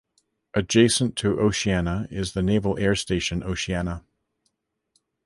Adjacent to Oceana is the Naval Air Station Oceana.